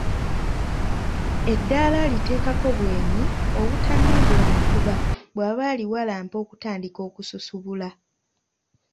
Eddaala aliteekako bwenyi obutanuubula mutuba bw’aba aliwalampa okutandika okususubula.